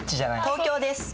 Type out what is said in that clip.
東京です！